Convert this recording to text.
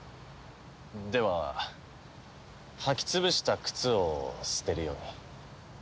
では履きつぶした靴を捨てるように。